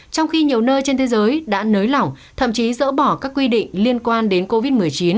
trong khi nhiều nơi trên thế giới đã nới lỏng thậm chí dỡ bỏ các quy định liên quan đến covid một mươi chín